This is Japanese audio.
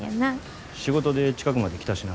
仕事で近くまで来たしな。